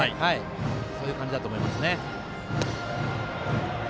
そういう感じだと思いますね。